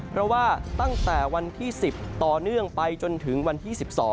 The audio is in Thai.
เพราะว่าตั้งแต่วันที่๑๐ต่อเนื่องไปจนถึงวันที่๑๒